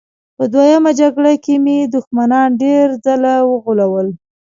په دویمه جګړه کې مې دښمنان ډېر ځله وغولول